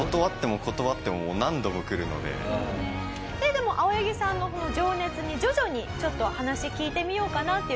でも青柳さんのその情熱に徐々にちょっと話聞いてみようかなっていう気持ちに。